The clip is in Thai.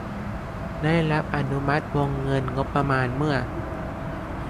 ได้รับอนุมัติวงเงินงบประมาณเมื่อ